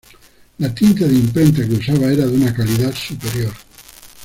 La tinta de imprenta que usaba era de una calidad superior.